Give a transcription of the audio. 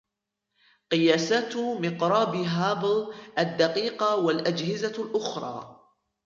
قياسات مقراب هابل الدقيقة والأجهزة الأخرى